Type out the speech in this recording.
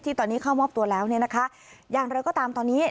ตอนนี้เข้ามอบตัวแล้วเนี่ยนะคะอย่างไรก็ตามตอนนี้